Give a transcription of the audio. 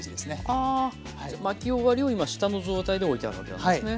あ巻き終わりを今下の状態で置いてあるわけなんですね。